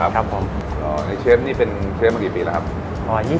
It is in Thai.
ที่ยืนเท่าไรเนี่ย